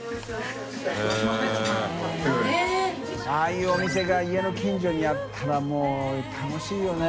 いお店が家の近所にあったら楽しいよね。